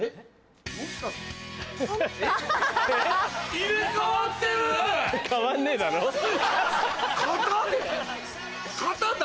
入れ替わってる！肩で？